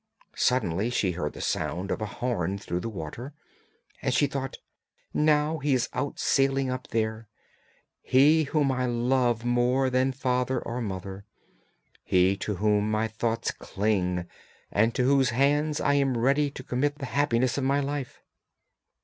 Suddenly she heard the sound of a horn through the water, and she thought, 'Now he is out sailing up there; he whom I love more than father or mother, he to whom my thoughts cling and to whose hands I am ready to commit the happiness of my life.